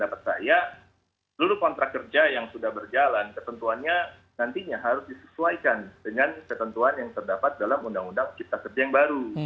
dan dengan demikian ya pendapat saya seluruh kontrak kerja yang sudah berjalan ketentuannya nantinya harus disesuaikan dengan ketentuan yang terdapat dalam undang undang kita kerja yang baru